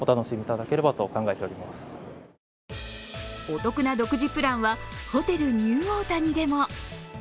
お得な独自プランはホテルニューオータニでも。